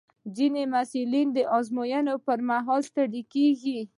ځینې محصلین د ازموینو پر مهال ستړي کېږي.